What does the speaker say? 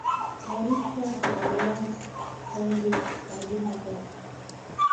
غریب شه، خو اولاد باندې دې تعلیم وکړه!